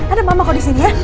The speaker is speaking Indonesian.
ada mama kok disini ya